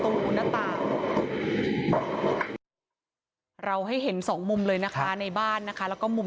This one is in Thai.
หน้าต่างเราให้เห็นสองมุมเลยนะคะในบ้านนะคะแล้วก็มุม